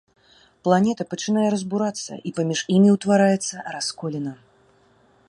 Планета пачынае разбурацца, і паміж імі ўтвараецца расколіна.